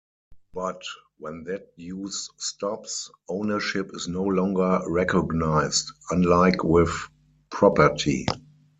But, when that use stops, ownership is no longer recognized, unlike with property.